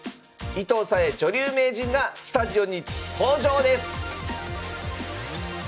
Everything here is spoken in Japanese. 伊藤沙恵女流名人がスタジオに登場です！